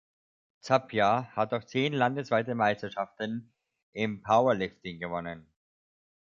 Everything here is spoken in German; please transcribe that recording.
Zappia hat auch zehn landesweite Meisterschaften im Powerlifting gewonnen.